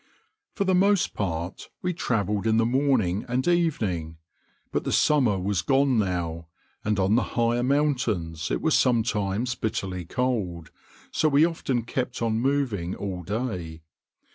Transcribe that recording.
For the most part we travelled in the morning and evening; but the summer was gone now, and on the higher mountains it was sometimes bitterly cold, so we often kept on moving all day.